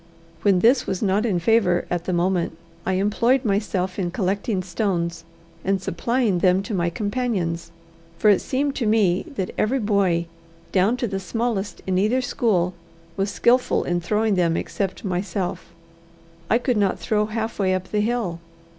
When this was not in favour at the moment, I employed myself in collecting stones and supplying them to my companions, for it seemed to me that every boy, down to the smallest in either school, was skilful in throwing them, except myself: I could not throw halfway up the hill.